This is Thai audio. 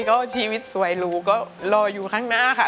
ก็ชีวิตสวยหรูก็รออยู่ข้างหน้าค่ะ